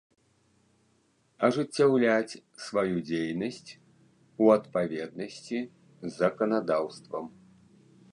Ажыццяўляць сваю дзейнасць у адпаведнасцi з заканадаўствам.